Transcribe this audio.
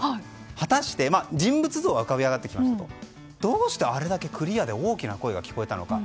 果たして、人物像は浮かび上がってきましたがどうしてあれだけクリアで大きな声が聞こえたのか。